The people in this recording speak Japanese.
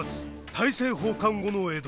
大政奉還後の江戸。